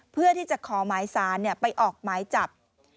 เพื่อที่จะขอหมายสารไปออกหมายจับ